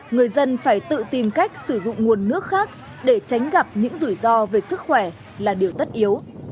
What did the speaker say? người dân phải tự tìm cách sử dụng nguồn nước khác để tránh gặp những rủi ro về sức khỏe là điều tất yếu